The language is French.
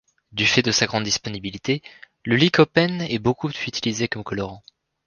Du fait de sa grande disponibilité, le lycopène est beaucoup utilisé comme colorant.